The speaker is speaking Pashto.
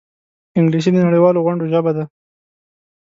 انګلیسي د نړيوالو غونډو ژبه ده